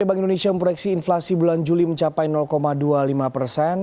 bank indonesia memproyeksi inflasi bulan juli mencapai dua puluh lima persen